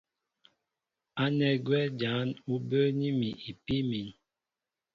Ánɛ́ gwɛ́ jǎn ú bəə́ní mi ipíí mǐm.